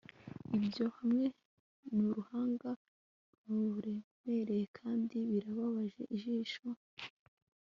Ibyo hamwe nu ruhanga ruremereye kandi birababaje ijisho